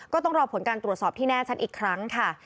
ก็ต้องรอผลการตรวจสอบที่แน่ชัดอีกครั้งค่ะ